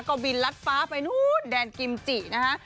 ก็บินรัดฟ้าไปนู้นแดนกิมจินะฮะ